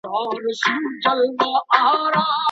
خاوند تر طلاق وروسته هم په ځيني مالي مصارفو مکلف کيږي.